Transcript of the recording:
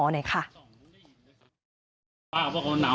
ไม่เคย